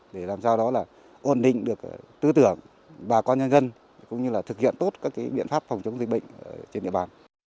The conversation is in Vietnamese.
để làm sao đó là ổn định được tư tưởng bà con nhân dân cũng như là thực hiện tốt các biện pháp phòng chống dịch bệnh trên địa bàn